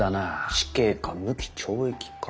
死刑か無期懲役か。